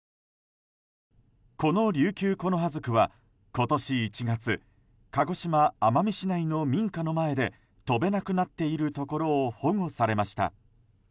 このリュウキュウコノハズクは今年１月鹿児島・奄美市内の民家の前で飛べなくなっているところを保護されました。